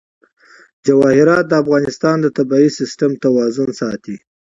جواهرات د افغانستان د طبعي سیسټم توازن ساتي.